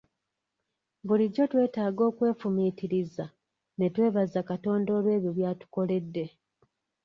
Bulijjo twetaaga okwefumiitiriza ne twebaza Katonda olw'ebyo byatukoledde.